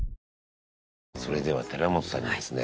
それでは寺本さんにですね